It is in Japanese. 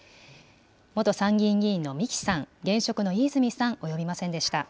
元参議院議員の三木さん、現職の飯泉さん、及びませんでした。